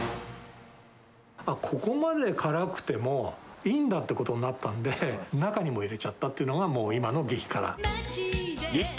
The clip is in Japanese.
あっ、ここまで辛くてもいいんだってことになったんで、中にも入れちゃったっていうのがもう今の激辛。